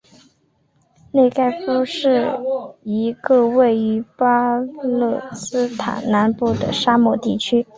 内盖夫是一个位于巴勒斯坦南部的沙漠地区。